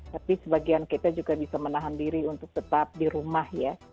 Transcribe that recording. tapi sebagian kita juga bisa menahan diri untuk tetap di rumah ya